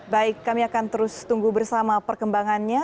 baik kami akan terus tunggu bersama perkembangannya